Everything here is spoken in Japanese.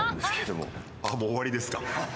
もう終わりですか？